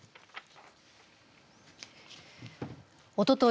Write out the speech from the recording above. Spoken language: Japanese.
おととい